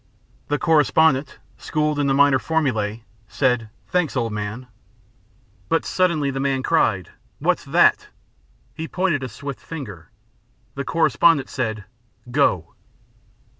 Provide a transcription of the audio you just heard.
The correspondent, schooled in the minor formulae, said: "Thanks, old man." But suddenly the man cried: "What's that?" He pointed a swift finger. The correspondent said: "Go."